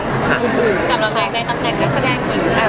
กำลังแพรงใดตำแหนกและแขนงหนึ่งค่ะ